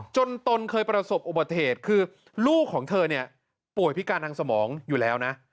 ตนเคยประสบอุบัติเหตุคือลูกของเธอเนี่ยป่วยพิการทางสมองอยู่แล้วนะ